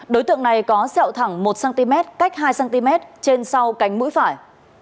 đối tượng này có sẹo thẳng một cm cách hai cm trên sau cánh mũi phải